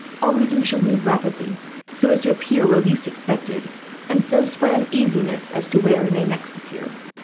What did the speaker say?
Always we shall move rapidly, so as to appear where least expected, and so spread uneasiness as to where we may next appear.